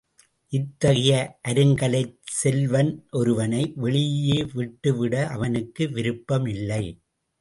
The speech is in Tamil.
இத்தகைய அருங்கலைச் செல்வனொருவனை வெளியே விட்டுவிட அவனுக்கு விருப்பமில்லை.